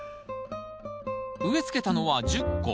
植えつけたのは１０個。